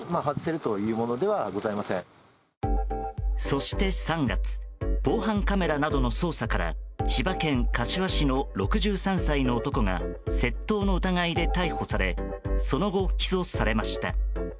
そして３月防犯カメラなどの捜査から千葉県柏市の６３歳の男が窃盗の疑いで逮捕されその後、起訴されました。